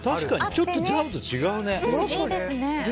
ちょっとジャムと違うね。